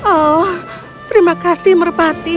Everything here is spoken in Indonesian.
oh terima kasih merpati